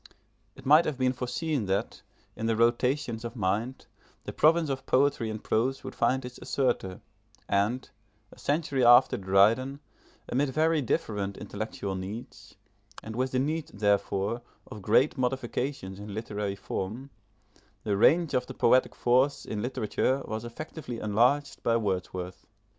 It might have been foreseen that, in the rotations of mind, the province of poetry in prose would find its assertor; and, a century after Dryden, amid very different intellectual needs, and with the need therefore of great modifications in literary form, the range of the poetic force in literature was effectively enlarged by Wordsworth.